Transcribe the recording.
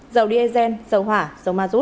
dầu dsn dầu hỏa dầu ma rút